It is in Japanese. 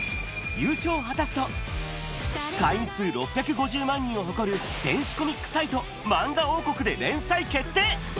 優勝を果たすと、会員数６５０万人を誇る電子コミックサイト、まんがおうこくで連載決定。